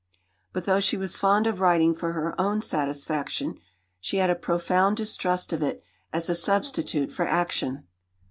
But though she was fond of writing for her own satisfaction, she had a profound distrust of it as a substitute for action.